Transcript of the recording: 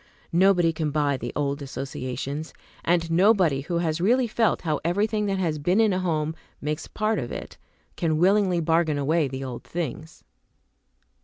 Nobody can buy the old associations; and nobody who has really felt how everything that has been in a home makes part of it, can willingly bargain away the old things.